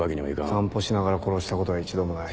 散歩しながら殺したことは一度もない。